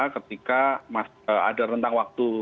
ketika ada rentang waktu